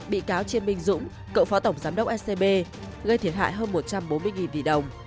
bị cáo chiêm minh dũng cựu phó tổng giám đốc scb gây thiệt hại hơn một trăm bốn mươi tỷ đồng